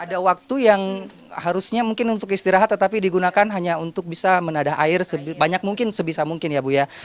ada waktu yang harusnya mungkin untuk istirahat tetapi digunakan hanya untuk bisa menadah air sebanyak mungkin sebisa mungkin ya bu ya